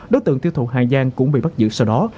đối tượng tiêu thụ hà giang cũng bị bắt giữ sau đó